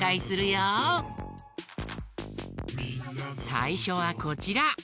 さいしょはこちら。